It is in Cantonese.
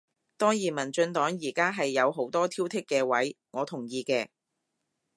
當然民進黨而家係有好多挑剔嘅位，我同意嘅